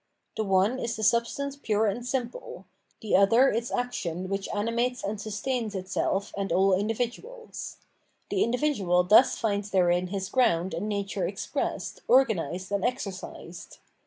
The one is the substance pure and simple, the other its action which animates and sustains itself and aU individuals. The individual thus finds therein his ground and nature expressed, organised, and exercised.